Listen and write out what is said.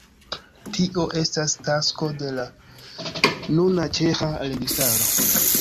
Tio estas tasko de la nuna ĉeĥa registaro.